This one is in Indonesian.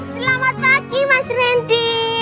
selamat pagi mas rendy